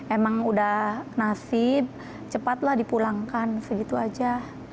emang udah nasib cepatlah dipulangkan segitu aja